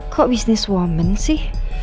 kok business woman sih